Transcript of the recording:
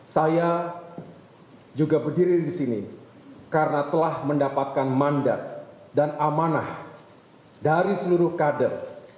saya juga berdiri di sini karena telah mendapatkan mandat dan amanah dari seluruh kader